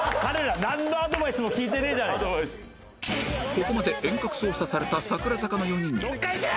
ここまで遠隔操作された櫻坂の４人に